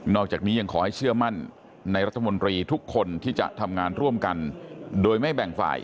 อกจากนี้ยังขอให้เชื่อมั่นในรัฐมนตรีทุกคนที่จะทำงานร่วมกันโดยไม่แบ่งฝ่าย